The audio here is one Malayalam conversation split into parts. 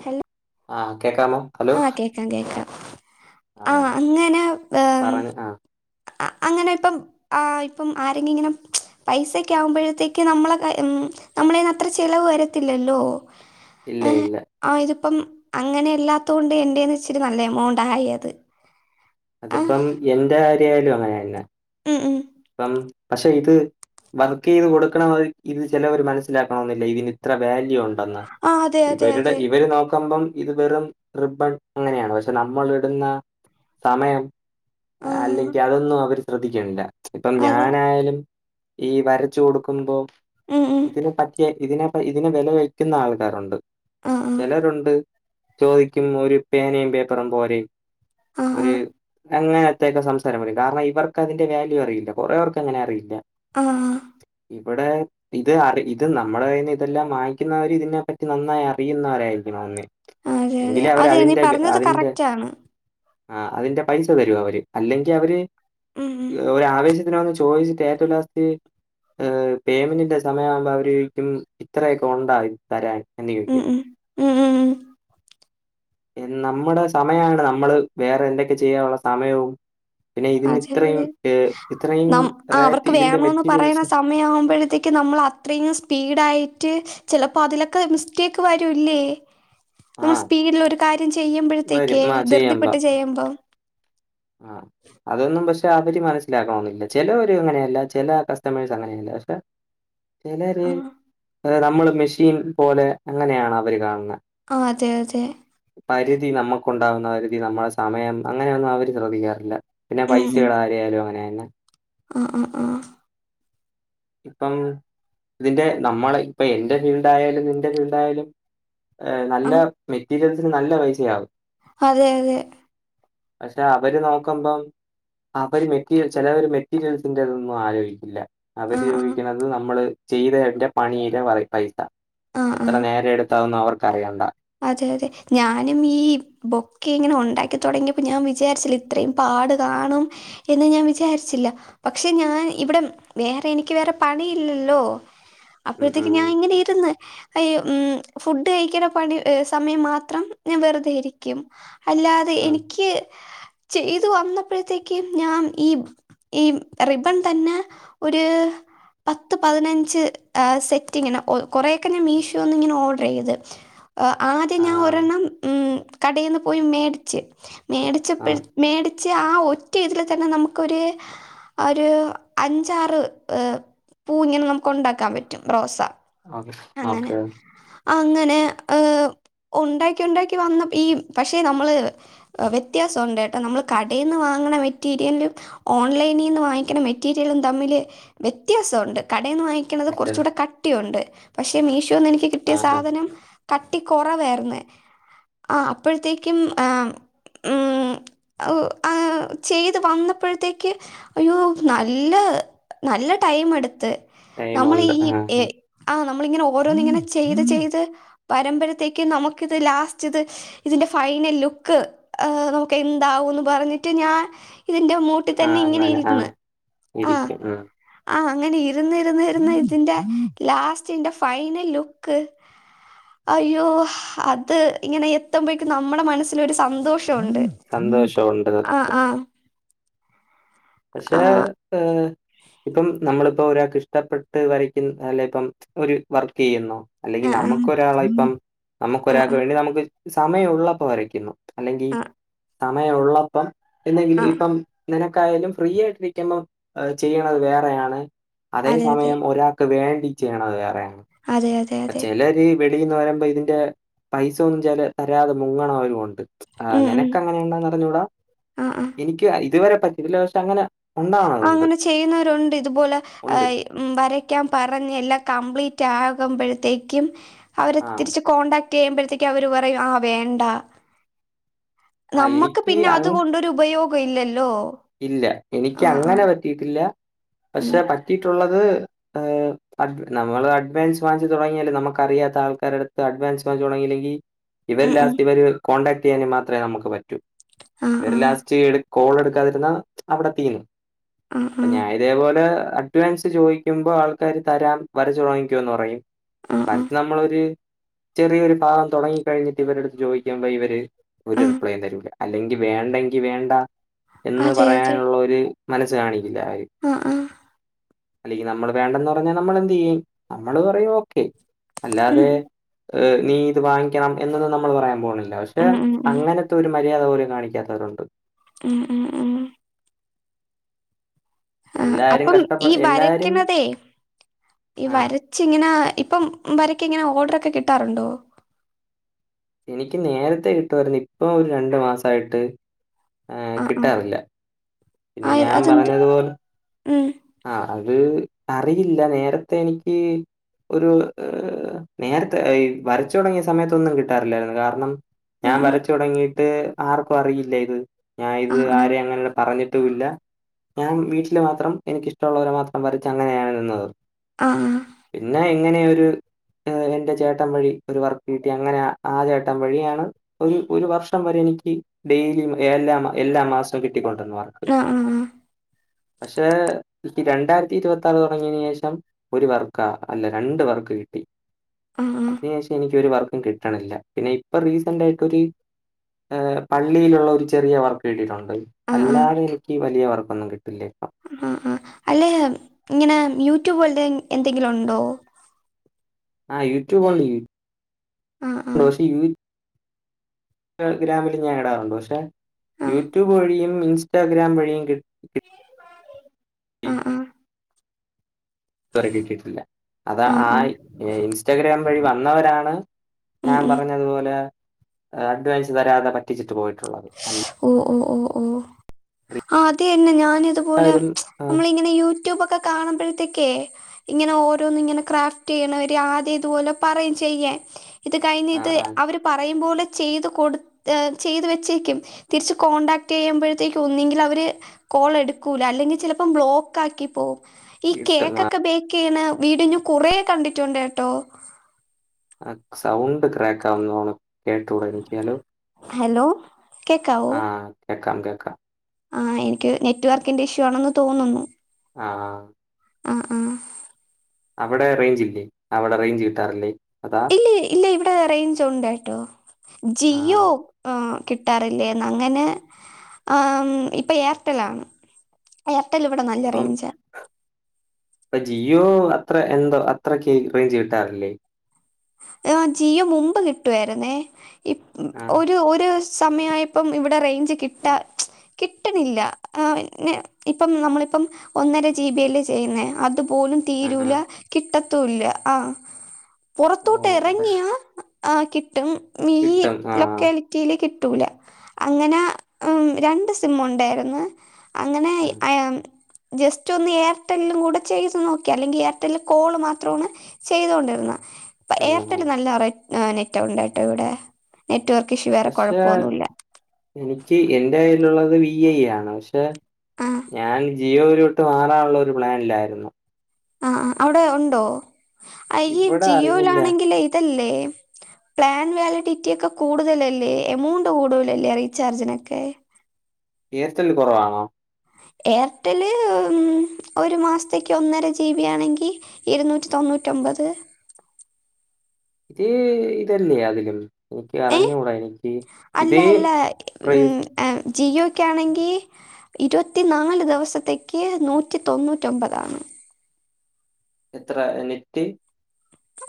എ ആഹ് കേക്കാമോ? ഹലോ ആഹ് കേക്കാം കേക്കാം. ആഹ് അങ്ങനെ ഹ് പറഞ്ഞ ആഹ് അഹ് അങ്ങനെ പ്പം ആഹ് പ്പം ആരെങ്കിലും ഇങ്ങനെ പൈസക്കെ ആകുമ്പോഴത്തേക്ക് നമ്മള കൈ ഉം നമ്മളേന്ന് അത്ര ചെലവ് വരത്തില്ലല്ലോ. ഇല്ല ഇല്ല. ആഹ് ഇതിപ്പം അങ്ങനെ ല്ലാത്തൊണ്ട് എന്റെന്ന് ഇച്ചിരി നല്ല എമൗണ്ടായി അത്. ആ അതിപ്പം എന്റെ കാര്യായാലും അങ്ങനെന്നെ. ഉം ഉം പ്പം പക്ഷെ യിത് വർക്ക് ചെത് കൊടുക്കണ മാതിരി ഇത് ചിലവര് മനസ്സിലാക്കണമെന്നില്ല. ഇതിന് ഇത്ര വാല്യു ആണ് ന്ന്. ന്നാ. ആ അതെ അതെ ഇവരുടെ അതെ ഇവര് നോക്കുമ്പം ഇത് വെറും റിബൺ അങ്ങനെയാണ്. പക്ഷെ നമ്മള് ഇടുന്ന സമയം ആ അഹ് അല്ലെങ്കി അതൊന്നും അവര് ശ്രദ്ധിക്കിണില്ല. ഇപ്പം അതെ ഞാനായാലും ഈ വരച്ചു കൊടുക്കുമ്പോ ഉം ഉം ഇതിനെ പറ്റ് റ്റിയ ഇതിനെപ്പ ഇതിനെ വില വയ്ക്കുന്ന ആൾക്കാരുണ്ട്. ആ ആ ചിലരുണ്ട് ചോദികുമ്പോ ഒരു പേനേം പേപ്പറും പോരെ. ആ ഒരു അങ്ങന ഇത്തറെയെക്കെ സംസാരം വരും. കാരണം ഇവർക്ക് അതിന്റെ വാല്യു അറിയില്ല. കുറേ വർക്ക് അങ്ങനെ അറിയില്ല. ആഹ് ഇവടെ ഇത് അറി ഇത് നമ്മുടെ കൈന്ന് ഇതെല്ലാം വാങ്ങിക്കുന്നവര് ഇതിനെപ്പറ്റി നന്നായി അറിയുന്നവരായിരിക്കണം വന്നേ. ആ അതെ അതെ എങ്കിലെ അവര് അതെ നീ അതിന്റെ വെ പറഞ്ഞത് അതിൻ്റെ കറക്റ്റ് ആണ് ആഹ് അതിന്റെ പൈസ തരും അവര്. അല്ലെങ്കി അവര് ആഹ് ഒരു ആവേശത്തിന് ഒന്ന് ചോദിച്ചിട്ട് ഏറ്റവും ലാസ്റ്റ് അ് പേയ്മെന്റിന്റെ സമയം ആവുമ്പോ അവര് ചോദിക്കും ഇത്രയൊക്കെ ഉണ്ടാ തരാൻ എന്ന് ചോദിക്കും. ഹ്ഹ് മ് ഏ നമ്മുടെ സമയായോണ്ട നമ്മള് വേറെ എന്തൊക്കെ ചെയ്യാനുള്ള സമയവും പിന്നെ ഇതിന് അതെ ഇത്രയും അതെ ഏ ഇത്രയും റേറ്റ് ഇതിന്റെ മെറ്റീരിയൽസ് സമയാകുമ്പോഴത്തേക്കും നമ്മള് അത്രയും സ്പീഡായിട്ട് ചിലപ്പോ അതിലൊക്കെ മിസ്റ്റേക്ക് വരു ല്ലേ ആ നമ്മള് സ്പീഡിൽ ഒരു കാര്യം വരും. ചെയ്യുമ്പഴത്തേക്കേ ആ ചെയ്യാം. ധൃർതിപ്പെട്ട് ചെയ്യുമ്പം. ആ. [inaudible] അതൊന്നും പക്ഷേ അവര് മനസ്സിലാക്കാണന്നില്ല ചിലവർ അങ്ങനെയല്ല ചില കസ്റ്റമേഴ്സ് അങ്ങനെയല്ല പക്ഷേ [inaudible] ചിലര് ആഹ്. നമ്മള് മെഷീൻ പോലെ അങ്ങനെയാണ് അവര് കാണ്‌ണ ആഹ് അതെ അതെ പരിധി നമുക്കുണ്ടാവുന്ന പരിധി നമ്മുടെ സമയം അങ്ങനെയൊന്നും അവര് ശ്രദ്ധിക്കാറില്ല. പിന്നെ പൈസടെ കാര്യയാലും അങ്ങനെന്നെ അ ആഹ് ആഹ് ഇപ്പം ഇതിന്റെ നമ്മളെ ഇപ്പ എന്റെ ഫീൽഡ് ആയാലും നിന്റെ ഫീൽഡ ആയാലും ഏ നല്ല ആഹ് മെറ്റീരിയൽസിന് നല്ല പൈസയാവും. അതെ അതെ പക്ഷേ അവര് നോക്കുമ്പം ആഹ് അവരി മെറ്റീരിയൽ ചിലർ മെറ്റീരിയൽസിന്റെ അതൊന്നും ആലോചിക്കില്ല. അവര് ആഹ് ആഹ്. ചോദിക്കുന്നത് നമ്മള് ചെയ്തവന്റെ പണിയിലെ പറയും പൈസ. ആഹ് എത്ര ആഹ്. നേരെ എടുത്താവുന്ന് അവർക്ക് അറിയണ്ട അതെ അതെ ഞാനും ഈ ബൊക്കെ ഇങ്ങനെ ഉണ്ടാക്കി തുടങ്ങിയപ്പോ ഞാൻ വിചാരിച്ച ഇത്രയും പാട് കാണും എന്ന് ഞാൻ വിചാരിച്ചില്ല. പക്ഷേ ഞാൻ ഇവിടെ വേറെ എനിക്ക് വേറെ പണിയില്ലല്ലോ? ഉം അപ്പോഴത്തേക്ക് ഉം ഞാൻ ഇങ്ങനെ ഇരുന്ന് അയ്യോ ഉം ഫുഡ് കഴിക്ക്ണ പണി. ഏഹ് സമയം മാത്രം ഞാൻ വെറുതെ ഇരിക്കും അല്ലാതെ ഉം എനിക്ക് ചെയ്തു വന്നപ്പോഴത്തേക്കും ഞാൻ ഈ ഈ റിബൺ തന്നെ ഒര് പത്ത് പതിനഞ്ച് ആഹ സെറ്റിങ്ങനെ കുറെേയൊക്കെ ഞാൻ മീഷോ ഒന്ന് ഇങ്ങനെ ഓർഡർ ചെയ്ത്. ആദ്യം ഞാൻ ആഹ് ഒരെണ്ണം കടയിൽ ഉം നിന്ന് പോയി മേടിച്ച്. മേടിച്ചപ്പോഴ ആഹ് മേടിച്ച് ആഹ് ഒറ്റ ഇതിൽ തന്നെ നമുക്കൊര് ഒരു അഞ്ചാറ് ഹ് പൂഞ്ഞൾ നമുക്ക് ഉണ്ടാക്കാൻ പറ്റും റോസ. ഓ അങ്ങനെ ഓക്കെ അങ്ങനെ ആഹ് ഉണ്ടാക്കി ഉണ്ടാക്കി വന്ന ഈ പക്ഷേ നമ്മള് വ്യത്യാസമുണ്ട് കേട്ടോ നമ്മൾ കടയിൽ നിന്ന് വാങ്ങണ മെറ്റീരിയലും ഓൺലൈനിൽ നിന്ന് വാങ്ങിക്കുന്ന മെറ്റീരിയലും തമ്മില് വ്യത്യാസമുണ്ട്. കടയിൽന്ന് വാങ്ങിക്ക്ണത് ഇത് കുറച്ച് കൂടെ കട്ടിയുണ്ട്. പക്ഷേ മീഷോന്ന് എനിക്ക് കിട്ടിയ ആഹ് ആഹ് സാധനം കട്ടി കുറവായിരുന്നു ആഹ് അപ്പോഴത്തേക്കും ആഹ് ഉം ഒ ആ ചെയ്ത് വന്നപ്പോഴത്തേക്ക് അയ്യോ നല്ല നല്ല ടൈം എടുത്ത് നമ്മൾ ഈ ടൈമുണ്ട് ആഹ് ആഹ് ഏഹ് ആഹ് നമ്മളിങ്ങനെ ഓരോന്നി ഇങ്ങനെ ചെയ്ത് ചെയ്ത് വരുമ്പയത്തേക്ക് നമുക്കിത് ലാസ്റ്റ് ഇത് ഇതിന്റെ ഫൈനൽ ലുക്ക് ഹ് നമുക്ക് എന്താവുംന്ന് പറഞ്ഞിട്ട് ഞാൻ ഇതിന്റെ [unintelligible] തന്നെ ഇങ്ങനെ അങ്ങനെ ഇരുന്ന് ആഹ് ആഹ് ഇരിക്കും ഉം ആഹ് അങ്ങനെ ഇരുന്നിരുന്ന് ഇരുന്ന് ഇതിന്റെ ലാസ്റ്റന്റെ ഫൈനൽ ലുക്ക് അയ്യോ അത് ഇങ്ങനെ എത്തുമ്പോഴേക്കും നമ്മുടെ മനസ്സിലൊരു സന്തോഷമുണ്ട്. ഉം സന്തോഷമുണ്ട് ആഹ് സത്യം ആഹ് പക്ഷേ ഏഹ് ഇപ്പം നമ്മളിപ്പോ ഒരാൾക്ക് ഇഷ്ടപ്പെട്ട് വരക്കും അല്ല ഇപ്പം ഒരു വർക്ക് ചെയ്യുന്നു. ആ, അല്ലെങ്കിൽ ആ. നമുക്കൊരാളെ ഇപ്പം ആ, നമുക്കൊരാൾക്ക് വേണ്ടി നമുക്ക് സമയം ഉള്ളപ്പോ വരയ്ക്കുന്നു. അല്ലെങ്കിൽ ആ, ആ, സമയമുള്ളപ്പോ എന്തെങ്കിലും ആ. ഇപ്പം നിനക്കായാലും ഫ്രീ ആയിട്ടിരിക്കുമ്പോ ചെയ്യണത് വേറെയാണ് അതേ അതെ, അതെ. സമയം ഒരാ വേണ്ടി ചെയ്യണത് വേറെയാണ് അതെ, അതെ, അതെ. ചിലർ വെളിന്ന് വരുമ്പോ ഇതിന്റെ പൈസ ഒന്നും തരാതെ മുങ്ങണവരുണ്ട്. ആഹ് ഉം, ഉം. നിനക്ക് അങ്ങനെ ഉണ്ടെന്ന് അറിഞ്ഞൂടാ ആ, ആ. എനിക്ക് ഇതുവരെ പറ്റിക്കൽ കേസ് അങ്ങനെ ഉണ്ടാവണതുണ്ട്. അങ്ങനെ ചെയ്യുന്നവരുണ്ട് ഇതുപോലെ ഉണ്ട്. ഏഹ് ഉം വരയ്ക്കാൻ പറഞ് എല്ലാം കംപ്ലീറ്റ് ആകുമ്പോഴത്തേക്കും അവരെ ആഹ്. തിരിച്ച് കോൺണ്ടാക്ട് ചെയ്യുമ്പോഴത്തേക്ക് അവർ പറയും ആഹ് വേണ്ട ആഹ് നമ്മുക്ക് എനിക്ക് പിന്നെ അങ് അതുകൊണ്ടൊരു ഉപയോഗം ഇല്ലല്ലോ? ഇല്ല എനിക്ക് ആ, ആ. അങ്ങനെ പറ്റിട്ടില്ല. ഉം. പക്ഷെ പറ്റിട്ടുള്ളത് ആഹ് നമ്മള് അഡ്വാൻസ് വാങ്ങിച്ച് തുടങ്ങിയാല് നമുക്ക് അറിയാത്ത ആൾക്കാരടുത്ത് അഡ്വാൻസ് വാങ്ങച്ച് തുടങ്ങിയില്ലെങ്കിൽ ഇവര് ഉം, ഉം. ലാസ്റ്റ് ഇവര് കോൺടാക്ട് ചെയ്യാനുമാത്രമേ നമുക്ക് പറ്റൂ. ആ, ഇവർ ആ. ലാസ്റ്റ് കോൾ എടു ടക്കാതിരുന്ന അവിടെ തീരും. ഉം ഉം ഇതേപോലെ അഡ്വാൻസ് ചോദിക്കുമ്പോ ആൾക്കാര് തരാം വരച്ചു തൊടങ്ങിക്കോന്ന് പറയും ആ, ആ. വരച്ച് ആ, നമ്മളൊരു ചെറിയൊരു ഭാഗം തുടങ്ങികഴിഞ്ഞിട്ട് ഇവരെടുത്ത് ചോദിക്കുമ്പോ ഇവര് ഒരു ആ. റിപ്ലൈയും തരൂല. അല്ലെങ്കി വേണ്ടെങ്കി വേണ്ട എന്ന് അതെ, അതെ. പറയാനുള്ള ഒരു മനസ്സ് കാണിക്കില്ല ആരും. ആഹ്, ആഹ്. അല്ലെങ്കിൽ നമ്മൾ വേണ്ടന്ന് പറഞ്ഞാൽ നമ്മൾ എന്ത് ചെയ്യും. നമ്മള് പറയും ഓക്കെ. ഉം. അല്ലാതെ നീ ഇത് വാങ്ങിക്കണം എന്നൊന്നും നമ്മൾ പറയാൻ പോണില്ല. പക്ഷെ ഉം, ഉം, ഉം. അങ്ങനെ ത്ത ഒരു മര്യാദ പോലും കാണിക്കാത്തവരുണ്ട്. ഉം ഉം ഉം ആഹ് എല്ലാരും അപ്പം കഷ്ടപ്പെ ഈ എല്ലാരും വരയ്ക്കണതേ ഈ ആഹ് വര ച്ച് ഇങ്ങനെ ഇപ്പം വരക്ക് ഇങ്ങനെ ഓർഡർ ഒക്കെ കിട്ടാറുണ്ടോ? എനിക്ക് നേരത്തെ കിട്ടുവായിരുന്നു. ഇപ്പം ഒരു രണ്ടു മാസായിട്ട് ഏഹ് കിട്ടാറില്ല. പിന്നെ ആയി അത് എന്ത്? ഉം ആഹ് അത് അറിയില്ല നേരത്തെ എനിക്ക് ഒരു നേരത്തെ ഈ വരച്ചു തുടങ്ങിയ സമയത്തൊന്നും കിട്ടാറില്ലായിരുന്നു കാരണം ഉം, ഞാൻ ഉം. വരച്ച് തുടങ്ങിയിട്ട് ആർക്കും അറിയില്ല ഇത്. ഞാൻ ഇത് ആഹ്, ആഹ്. ആരെയും അങ്ങനെയുള്ള പറഞ്ഞിട്ടും ഇല്ല ഞാൻ വീട്ടില് മാത്രം എനിക്കിഷ്ടമുള്ളവരെ മാത്രം വരച്ച് അങ്ങനെയാണ് നിന്നത്. ആഹ് ആഹ് പിന്നെ ഇങ്ങനെ ഒരു എന്റെ ചേട്ടൻ വഴി ഒരു വർക്ക് കിട്ടി. അങ്ങനെ ആ ചേട്ടൻ വഴിയാണ് ഒരു ഒരു വർഷം വരെ എനിക്ക് ഡെയിലി എല്ലാ എല്ലാ മാസവും കിട്ടിക്കൊണ്ടുവന്നു വർ ആഹ് ആഹ് ആഹ് പക്ഷെ ഈ രണ്ടായിരത്തി ഇരുപത്തിയാറ് തുടങ്ങിയന് ശേഷം ഒരു വർക്കാ അല്ല രണ്ട് വർക്ക് കിട്ടി. ആഹ്, ആഹ്. അതിന് ശേഷം എനിക്ക് ഒരു വർക്കും കിട്ടണില്ല. പിന്നെ ഇപ്പൊ റീസന്റ് ആയിട്ടൊരു ഹ് പള്ളിയിലുള്ള ഒരു ചെറിയ വർക്ക് കിട്ടിയിട്ടുണ്ട്. ആഹ്, ആഹ്. അല്ലാതെ എനിക്ക് വലിയ വർക്കൊന്നും കിട്ടില്ലേ ഇപ്പം? ആഹ് ആഹ് അല്ലെ ഇങ്ങനെ യൂട്യൂബ് പോലെ എന്തെങ്കിലും ഒണ്ടോ? ആഹ് യൂട്യൂബ്‌ ആഹ്, ആഹ്. [unintelligible] ഗ്രാമില് ഞാൻ ഇടാറുണ്ട് പക്ഷെ ആഹ്, യൂട്യൂബ് വഴിയും ഇൻസ് റ്റാഗ്രാം വഴീം കി ആഹ് ആഹ്. തുവരേ കിട്ടീട്ടില്ലാ അത് ആഹ്, ആ ആഹ്. ഏ ഇൻസ്റ്റഗ്രാം വഴി വന്നവരാണ് ഉം, ഞാൻ ഉം. പർഞ്ഞതുപോലെ അഡ്വാൻസ് തരാതെ പറ്റിച്ചിട്ട് പോയിട്ടുള്ളത് അ ഓഹ് ഓഹ് ഓഹ് ഓഹ്. ആഹ് അത് തന്നെ ഞാന് ഇത്പോലെ ആരും ആ. നമ്മളിങ്ങനെ യൂട്യൂബ്ഒക്കെ കാണുമ്പഴ്ത്തേക്കേ ഇങ്ങനെ ഓരോന്ന് ഇങ്ങനെ ക്രാഫ്റ്റ്യ്യ്ണോര് ആദ്യം ഇതുപോലെ പറയും ചെയ്യാൻ. ഇത് കഴിഞ്ഞ് ആ, ഇത് ആ. അവര് പറയും പോലെ ചെയ്ത് കൊടു ചെയ്ത് വെച്ചേക്കും. തിര്ച്ച് കോൺടാക്റ്റ്യ്യുമ്പഴ്ത്തേക്ക് ഒന്നെങ്കില് അവ കോൾ എടുക്കൂല അല്ലങ്കി ചെലപ്പോ ബ്ലോക്ക് ആക്കി പോവും ഈ ഇട്ട് കേക്ക്ഒക്കെ ബേ ക്കേണ വീഡിയോ ഞാ കൊറേ കണ്ടിട്ടുണ്ടേട്ടോ. ആ സൗണ്ട് ക്രൊക്കാവുന്നോണം കേട്ടൂടാ എനിക്ക് ഹലോ. ഹലോ. ആഹ് കേക്കാം കേക്കാം. ആഹ് എനിക്ക് നെറ്റ് വർക്കിന്റെ ഇഷ്യൂ ആണെന്ന് തോന്ന്ന്നു. ആഹ്. ആഹ് ആഹ്. അവടെ റേഞ്ച്ല്ലേ അവടെ റേഞ്ച് കിട്ടാറില്ലേ അതാ? ഇല്ല ഇവടെ റേഞ്ച് ഉണ്ടേട്ടോ ആ ജിയോ ആഹ് കിട്ടാറില്ലേന്ന് അങ്ങനെ ആഹ് ഉം ഇപ്പൊ എയർടെലാണ്. എയർടെൽ ഇവടെ നല്ല റേഞ്ച്. അപ്പ ജിയോ അത്ര എന്തൊ അത്രക്ക് റേഞ്ച് കിട്ടാറില്ലേ? ആഹ് ജിയോ മുമ്പ് കിട്ടുായിര്ന്നേ ഇ ആ ഒരു ഒര് സമയായപ്പം ഇവിടെ റേഞ്ച് കിട്ടാ കിട്ട്ണില്ലാ പിന്നെ ഇപ്പം നമ്മളിപ്പം ഒന്നര ജീബിയല്ലേ ചെയ്യുന്നേ അത്പോലും ആ ആ തീരൂലാ കിട്ടത്തുല്ല ആഹ്. ഓ പോറത്തോട്ട് പക്ഷെ എറങ്ങിയാ ആഹ് കിട്ടും ഈ കിട്ടും ആ ലൊക്കെലി റ്റീല് കിട്ടൂല അങ്ങനെ ഉം രണ്ട് സിമ്മ്ഉണ്ടായിരുന്ന്. അങ്ങനെയ് ആ അയാം ജസ്റ്റ് ഒന്ന് എയർടെല്ലുംകൂടെ ചെയ്ത് നോക്കി അല്ലെങ്കി എയർടെല്ല് കോള് മാത്രൊണ് ചെയ്തൊണ്ടിര്ന്ന്. ഇപ്പ ആ, ആ. എയർടെല് നല്ല റെ നെറ്റ്ഉണ്ടേട്ടോ ഇവടെ നെറ്റ്വർക്ക് ഇഷ്യു വേറെ പക്ഷെ കൊഴ്പ്പോന്നുല്ല. എനിക്ക് എന്റെ കയ്യിലുള്ളത് വി ഐ ആണ് പക്ഷെ ആഹ് ഞാൻ ജിയോയിലോട്ട് മാറാള്ളൊരു പ്ലാനിലായിരുന്നു. ആഹ് ആഹ് അവടെ ഒണ്ടോ ഈ ഇവിടെ അറിയില്ല ജിയോലാണെങ്കിലേയ് ഇതല്ലേ പ്ലാൻ വാലിഡിറ്റി ഒക്കെ കൂടുതലല്ലേ എമൗണ്ട് കൂടൂലല്ലേ റീചാർജിനൊക്കെ. എയർടെൽ കൊറവാണോ? എയർടെല് ഉം ഒരു മാസ്ത്തേക്ക് ഒന്നര ജീബി ആണെങ്കി ഇരുന്നൂറ്റി തൊണ്ണൂറ്റൊഒമ്പത് ഈ ഇതല്ലേ അതിലും? ക്ക് ഏഹ് അറിഞ്ഞൂടേ എനിക്ക്‌ ഇതേ പ്രൈസ് ആഹ് ജിയോയ്ക്കാണെങ്കി ഇരുപത്തി നാല് ദിവസത്തേക്ക് നൂറ്റി തൊണ്ണൂറ്റൊൻമ്പതാ എത്രാ നെറ്റ്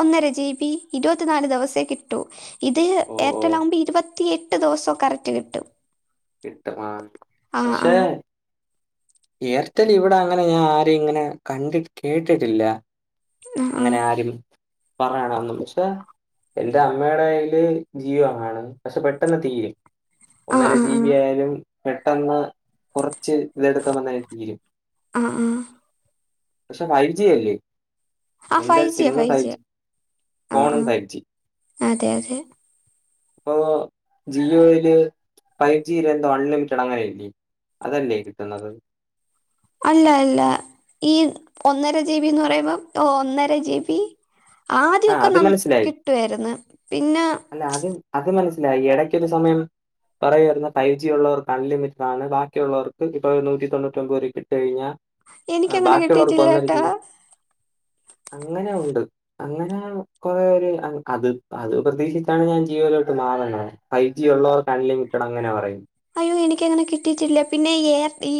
ഒന്നര ജി ബി ഇരുപത്തിനാല് ദിവസേ കിട്ടൂ ഇത് ഓ ഓ എയർടെൽ ആമ്പോ ഇരുപ ത്തിയെട്ട് ദിവസം കറക്റ്റ് കിട്ടും കിട്ടും ആ ആ ആ പക്ഷെ ഏർടെൽ ഇവിടെ അങ്ങനെ ഞാൻ ആരെയും ഇങ്ങനെ കണ്ടി കേട്ടിട്ടില്ല ആ ആ അങ്ങനെ ആരും പറയണ ഒന്നും പക്ഷെ എന്റെ അമ്മയുടെ കയ്യില് ജീവമാണ് പക്ഷെ പെട്ടെന്ന് തീരും ആ ഒന്നര ആ ലും പെട്ടെന്ന് കുറച്ച് ഇതെടുക്കുമ്പന്നെ തീരും ആഹ് ആഹ് പക്ഷെ ഫൈവ് ജി അല്ലേ ആ എന്റെ ഫൈവ് സിം ജിയാ ഫൈവ് ജിയാ ജി ആ ആ ഫോണും ഫൈവ് ജി അതെ അതെ ഇപ്പോ ജിയോയില് ഫൈവ് ജിയിൽ എന്തോ അൺലിമിറ്റഡ് അങ്ങനെയ ഇല്ലേ അതല്ലേ കിട്ടുന്നത് അല്ല അല്ല ഈ ഒന്നര ജി ബിന്ന് പറയുമ്പോം ഒന്നര ജി ബി ആ ആദ്യൊക്കെ അത് ന മനസ്സിലായി. കിട്ടുവായിരുന്നു പിന്നെ അല്ല ആദ്യം അത് മനസ്സിലായി ഇടയ്ക്കൊരു സമയം പറയുമായിരുന്ന ഫൈവ് ജി ഒള്ളവക്ക് അൺലിമിറ്റഡ് ആണ് ബാക്കിയുള്ളവർക്ക് ഇപ്പൊ നൂറ്റി തൊണ്ണൂറ്റിമ്പത് രൂപക്ക് ഇട്ട് കഴിഞ്ഞാൽ എനിക്കങ്ങനെ ബാക്കിയുള്ളവർക്ക് കിട്ടിയിട്ടില്ല ഒന്നര ട്ടാ ജീ ബി അങ്ങനെ ഉണ്ട് അങ്ങനെ കൊറെ ഒരു അത് അത് പ്രതീക്ഷിച്ചാണ് ഞാൻ ജീ യോലോട്ട് മാറണത് ഫൈവ് ജി ഉള്ളവർക്ക് അൺലിമിറ്റഡ് അങ്ങനെ പറയും അയ്യോ എനിക്കങ്ങനെ കിട്ടിയിട്ടില്ല പിന്നെ ഈർ ഈ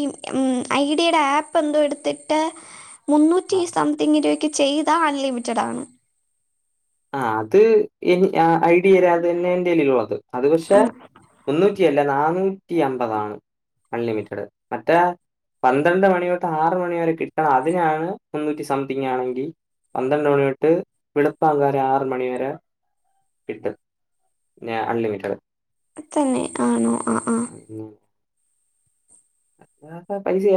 ഐഡിയുടെ ആപ്പ് എന്തോ എടുത്തിട്ട് മുന്നൂറ്റി ആഹ് സംതിങ് രൂപയ്ക്ക് ചെയ്താ അൺലിമിറ്റഡ് ആണ് ആ അത് ഐഡിയരാ അത് തന്നെ എന്റെയ്യിലുള്ളത് അത് പക്ഷെ ആ മുന്നൂറ്റി അല്ല നാന്നൂറ്റി അമ്പതാണ്. അൺലിമിറ്റഡ് മറ്റേ. പന്ത്രണ്ട് മണി തൊട്ട് ആറ് മണി വരെ കിട്ടണം അതിനാണ് മുന്നൂറ്റി സംതിങ് ആണെങ്കിൽ. പന്ത്രണ്ട് മണിതൊട്ട് വെളുപ്പാം കാലം ആറ് മണി വരെ. കിട്ടും ഞാൻ അൺലിമിറ്റഡ്. തന്നെ ആണോ ആഹ് ആഹ് ഉം [unintelligible] പൈസ